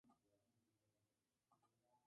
Anteras; pelosas.